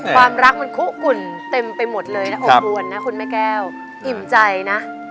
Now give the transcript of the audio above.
ความรักมันคุกุ่นเต็มไปหมดเลยนะอบอวนนะคุณแม่แก้วอิ่มใจนะ